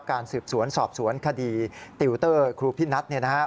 การสืบสวนสอบสวนคดีติวเตอร์ครูพินัทเนี่ยนะครับ